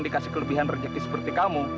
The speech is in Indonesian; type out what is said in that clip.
dikasih kelebihan rezeki seperti kamu